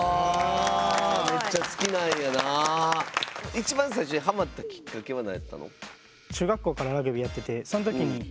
一番最初にハマったきっかけは何やったの？